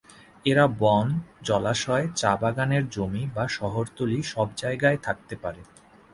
এরা বন, জলাশয়, চা বাগানের জমি বা শহরতলি সব জায়গায় থাকতে পারে।